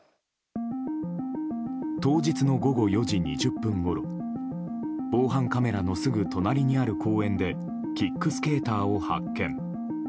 当日の午後４時２０分ごろ防犯カメラのすぐ隣にある公園でキックスケーターを発見。